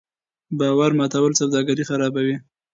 باور ماتول سوداګري خرابوي.